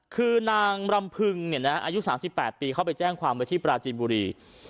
คือนางรำพึงอายุ๓๘ปีเข้าไปแจ้งความไว้ที่ปราจีนบุรี